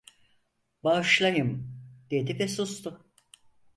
Bağışlayım, dedi ve sustu.